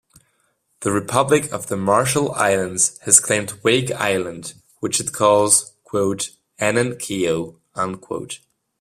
The Republic of the Marshall Islands has claimed Wake Island, which it calls "Enen-Kio".